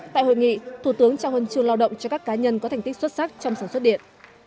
tại hội nghị thủ tướng trao hân trường lo động cho các cá nhân có thành tích xuất sắc trong sản xuất điện